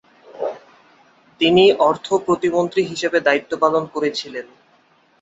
তিনি অর্থ প্রতিমন্ত্রী হিসাবে দায়িত্ব পালন করেছিলেন।